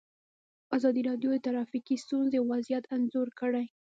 ازادي راډیو د ټرافیکي ستونزې وضعیت انځور کړی.